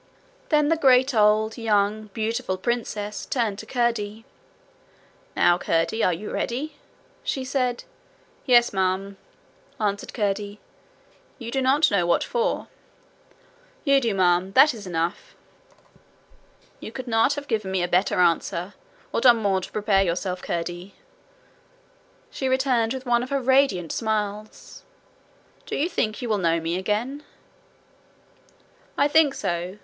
Then the great old, young, beautiful princess turned to Curdie. 'Now, Curdie, are you ready?' she said. 'Yes, ma'am,' answered Curdie. 'You do not know what for.' 'You do, ma'am. That is enough.' 'You could not have given me a better answer, or done more to prepare yourself, Curdie,' she returned, with one of her radiant smiles. 'Do you think you will know me again?' 'I think so.